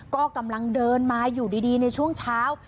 ก็กำลังเดินมาอยู่ดีในช่วงเช้า